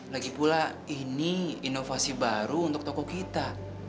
lagipula ini inovasi baru untuk toko kita